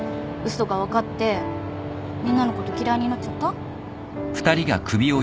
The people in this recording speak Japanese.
嘘が分かってみんなのこと嫌いになっちゃった？